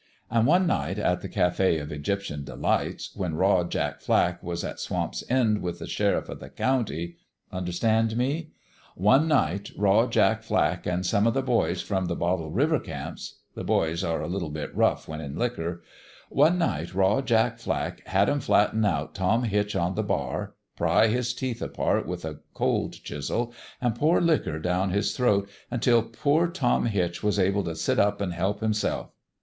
An' one night at the Cafe of Egyptian De lights, when Raw Jack Flack was at Swamp's End with the sheriff o' the county understand me ? one night Raw Jack Flack an' some o' the boys from the Bottle River camps the boys are a little bit rough when in liquor one night Raw Jack Flack had 'em flatten out Tom Hitch on the bar, pry his teeth apart with a cold chisel, an' pour liquor down his throat until poor Tom Hitch was able t' sit up an' help himself.